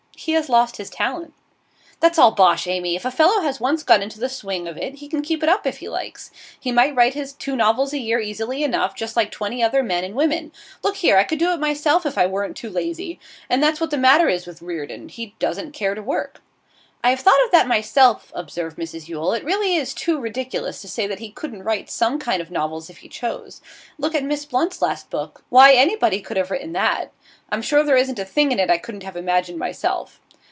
He has lost his talent.' 'That's all bosh, Amy. If a fellow has once got into the swing of it he can keep it up if he likes. He might write his two novels a year easily enough, just like twenty other men and women. Look here, I could do it myself if I weren't too lazy. And that's what's the matter with Reardon. He doesn't care to work.' 'I have thought that myself;' observed Mrs Yule. 'It really is too ridiculous to say that he couldn't write some kind of novels if he chose. Look at Miss Blunt's last book; why, anybody could have written that. I'm sure there isn't a thing in it I couldn't have imagined myself.